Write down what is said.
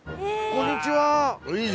こんにちは。